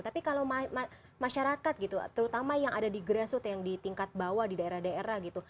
tapi kalau masyarakat gitu terutama yang ada di grassroots yang di tingkat bawah di daerah daerah gitu